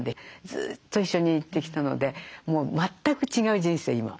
ずっと一緒に行ってきたのでもう全く違う人生今。